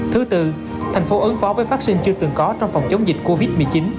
thứ tư thành phố ấn phó với vaccine chưa từng có trong phòng chống dịch covid một mươi chín